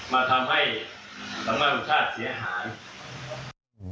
มาทำให้สำนักชาติเสียหาย